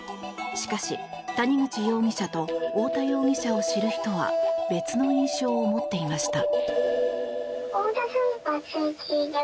しかし、谷口容疑者と太田容疑者を知る人は別の印象を持っていました。